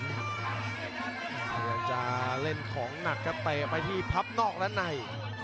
ต้องจะเล่นของหนักครับไปออกไปที่พับนอกและใน